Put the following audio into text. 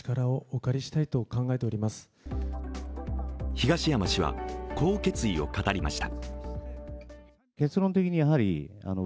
東山氏はこう決意を語りました。